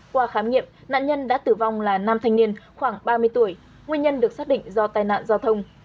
qua khám nghiệm nạn nhân đã tử vong là nam thanh niên khoảng ba mươi tuổi nguyên nhân được xác định do tai nạn giao thông